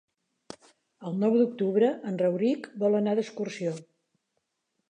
El nou d'octubre en Rauric vol anar d'excursió.